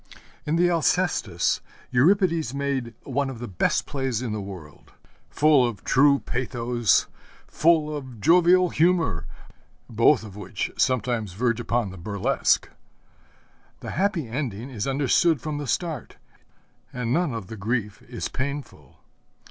In the Alcestis Euripides made one of the best plays in the world, full of true pathos, full of jovial humor, both of which sometimes verge upon the burlesque. The happy ending is understood from the start, and none of the grief is painful.